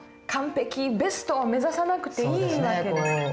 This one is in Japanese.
完璧ベストを目指さなくていい訳ですか。